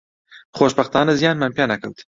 خۆشبەختانە زیانمان پێ نەکەوت